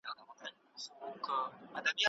که د نظم یادونه وسي نو پند ترې اخیستل کېږي.